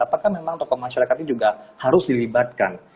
apakah memang tokoh masyarakat ini juga harus dilibatkan